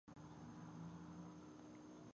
د ژبې علمي بنسټونه باید پیاوړي شي.